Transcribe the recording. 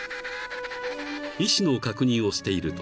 ［意思の確認をしていると］